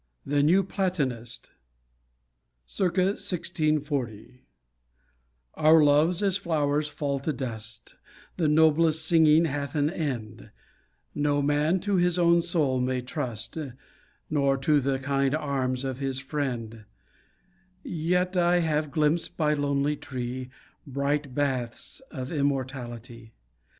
THE NEW PLATONIST Circa 1640 Our loves as flowers fall to dust; The noblest singing hath an end; No man to his own soul may trust, Nor to the kind arms of his friend; Yet have I glimpsed by lonely tree, Bright baths of immortality.